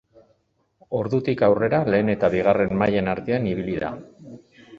Ordutik aurrera lehen eta bigarren mailen artean ibili da.